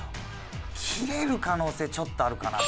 キレる可能性ちょっとあるかな。